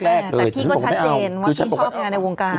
แต่พี่ก็ชัดเจนว่าพี่ชอบงานในวงการ